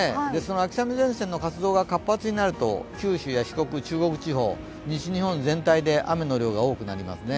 秋雨前線の活動が活発になると九州や四国、中国地方、西日本全体で雨の量が多くなりますね。